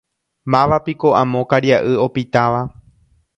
Mávapiko amo karia'y opitáva